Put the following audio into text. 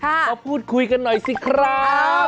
มาพูดคุยกันหน่อยสิครับ